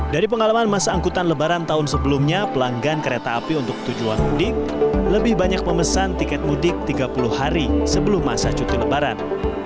dari pengalaman masa angkutan lebaran tahun sebelumnya pelanggan kereta api untuk tujuan mudik lebih banyak memesan tiket mudik tiga puluh hari sebelum masa cuti lebaran